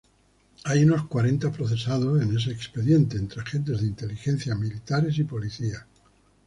Hay unos cuarenta procesados en ese expediente, entre agentes de inteligencia, militares y policías.